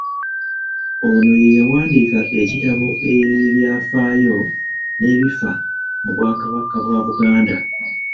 Ono ye yawandiika ekitabo “Ebyafaayo n'ebifa mu bwakabaka bwa Buganda.῝